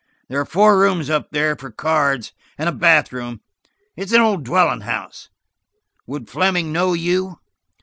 There are four rooms up there for cards, and a bath room. It's an old dwelling house. Would Fleming know you?"